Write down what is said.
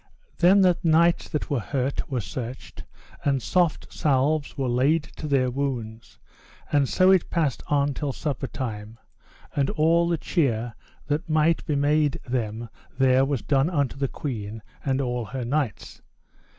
Then the knights that were hurt were searched, and soft salves were laid to their wounds; and so it passed on till supper time, and all the cheer that might be made them there was done unto the queen and all her knights.